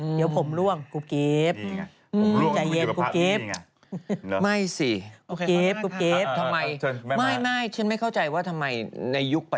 เดี๋ยวผมร่วงกุบกี้บ